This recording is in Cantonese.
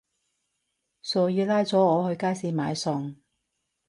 所以拉咗我去街市買餸